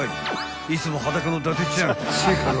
［いつも裸の伊達ちゃんチェケラ！］